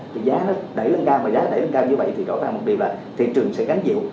thì giá nó đẩy lên cao và giá nó đẩy lên cao như vậy thì rõ ràng một điều là thị trường sẽ gắn dịu